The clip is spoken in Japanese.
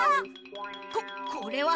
ここれは！